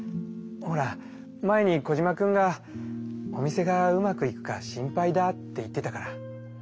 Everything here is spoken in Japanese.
ほら前にコジマくんが「お店がうまくいくか心配だ」って言ってたから。